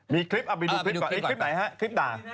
มีคลิปเอาไปดูคลิปก่อนคลิปไหนฮะคลิปด่า